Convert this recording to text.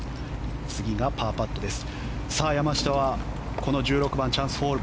次がパーパットです。